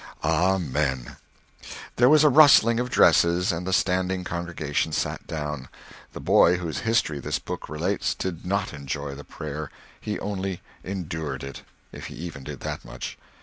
Amen. There was a rustling of dresses, and the standing congregation sat down. The boy whose history this book relates did not enjoy the prayer, he only endured it—if he even did that much.